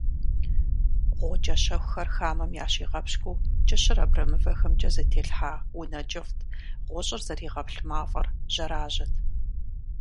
Гъукӏэ щэхухэр хамэм ящигъэпщкӏуу кӏыщыр абрэмывэхэмкӏэ зэтелъхьа унэ кӏыфӏт, гъущӏыр зэригъэплъ мафӏэр жьэражьэт.